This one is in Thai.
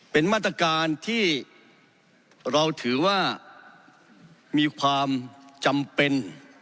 เป็นมาตรการที่เราถือว่ามีความจำเป็น